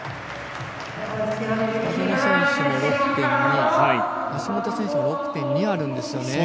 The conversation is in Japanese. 北園選手、６．２橋本選手も６．２あるんですよね。